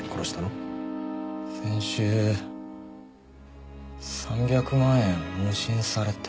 先週３００万円無心されて。